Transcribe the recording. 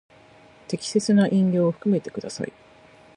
適切な引用を含めてください。